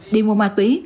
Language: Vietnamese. đi mua ma tủy